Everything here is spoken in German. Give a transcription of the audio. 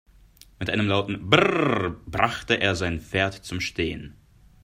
Mit einem lauten "Brrr!" brachte er sein Pferd zum Stehen.